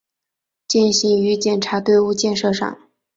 践行于检察队伍建设上